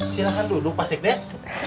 silahkan duduk pasek des